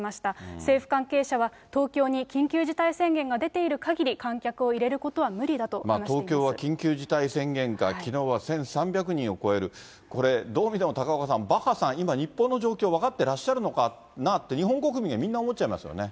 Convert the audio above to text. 政府関係者は、東京に緊急事態宣言が出ているかぎり、観客を入れることは無理だ東京は緊急事態宣言下、きのうは１３００人を超える、これ、どう見ても高岡さん、バッハさん、今、日本の状況、分かってらっしゃるのかな？って、日本国民はみんな思っちゃいますよね。